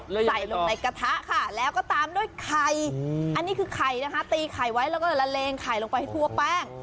ใส่ลงในกระทะค่ะแล้วก็ตามด้วยไข่อันนี้คือไข่นะคะตีไข่ไว้แล้วก็ละเลงไข่ลงไปให้ทั่วแป้ง